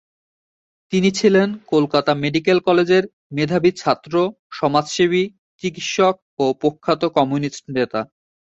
তিনি ছিলেন কলকাতা মেডিক্যাল কলেজের মেধাবী ছাত্র, সমাজসেবী, চিকিৎসক ও প্রখ্যাত কমিউনিস্ট নেতা।